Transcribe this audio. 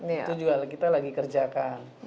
itu juga kita lagi kerjakan